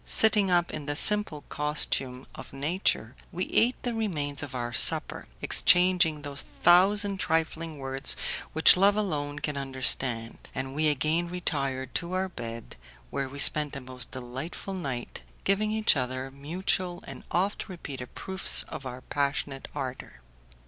Sitting up in the simple costume of nature, we ate the remains of our supper, exchanging those thousand trifling words which love alone can understand, and we again retired to our bed, where we spent a most delightful night giving each other mutual and oft repeated proofs of our passionate ardour.